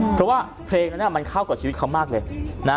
เพราะว่าเพลงนั้นมันเข้ากับชีวิตเขามากเลยนะ